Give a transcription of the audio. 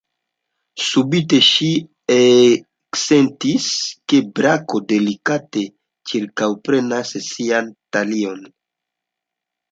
Subite ŝi eksentis, ke brako delikate ĉirkaŭprenas ŝian talion.